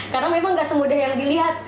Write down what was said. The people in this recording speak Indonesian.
karena memang tidak semudah yang dilihat